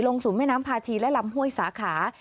สู่แม่น้ำพาชีและลำห้วยสาขา